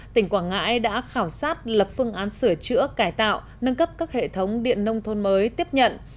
tỉnh quảng ngãi đã khảo sát lập phương án sửa chữa cải tạo nâng cấp các hệ thống điện nông thôn mới tiếp nhận